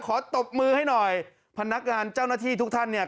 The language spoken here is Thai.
ตบมือให้หน่อยพนักงานเจ้าหน้าที่ทุกท่านเนี่ย